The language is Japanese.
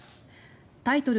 タイトル